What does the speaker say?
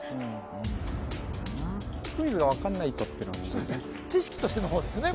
クイズが分かんないとっていうのが知識としての方ですよね